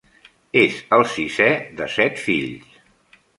És el sisè de set fills.